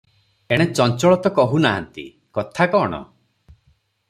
ଏଣେ ଚଞ୍ଚଳ ତ କହୁ ନାହାନ୍ତି, କଥା କଣ?